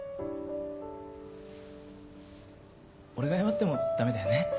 俺が謝っても駄目だよね。